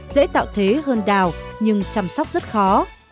dễ tạo thế hơn đào nhưng chăm sóc rất khó